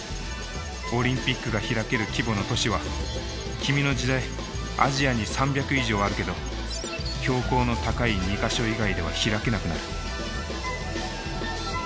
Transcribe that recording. オリンピックが開ける規模の都市は君の時代アジアに３００以上あるけど標高の高い２か所以外では開けなくなる。